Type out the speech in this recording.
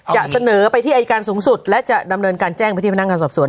จะเสนอไปที่อายการสูงสุดและจะดำเนินการแจ้งไปที่พนักงานสอบสวน